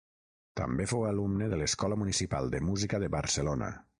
També fou alumne de l'Escola Municipal de Música de Barcelona.